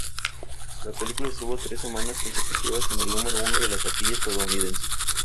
La película estuvo tres semanas consecutivas en el número uno de la taquilla estadounidense.